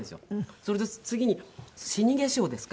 それで次に死化粧ですか？